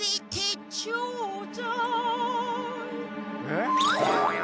えっ？